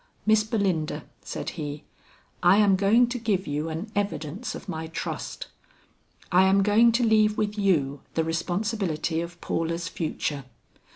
"Miss Belinda," said he, "I am going to give you an evidence of my trust; I am going to leave with you the responsibility of Paula's future.